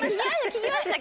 聞きました